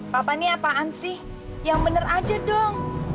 papa ini apaan sih yang bener aja dong